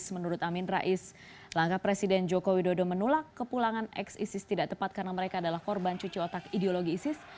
menurut amin rais langkah presiden joko widodo menolak kepulangan ex isis tidak tepat karena mereka adalah korban cuci otak ideologi isis